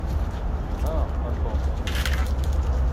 Ha a Tom.